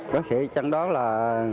bác sĩ chẳng đoán là